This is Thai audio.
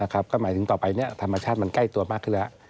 ก็หมายถึงต่อไปธรรมชาติมันใกล้ตัวมากขึ้นแล้ว